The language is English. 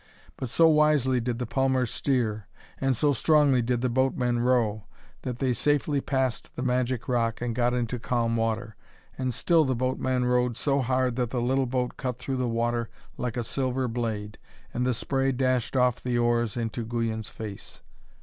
But so wisely did the palmer steer, and so strongly did the boatman row, that they safely passed the magic rock and got into calm water. And still the boatman rowed so hard that the little boat cut through the water like a silver blade, and the spray dashed off the oars into Guyon's face.